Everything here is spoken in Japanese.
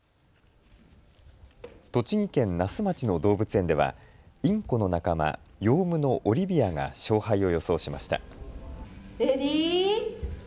栃木県那須町の動物園ではインコの仲間、ヨウムのオリビアが勝敗を予想しました。